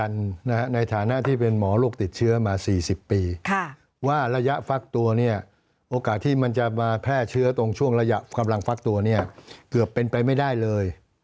ข้อมูลกำลังฟักตัวนี้เกือบเป็นไปไม่ได้เลย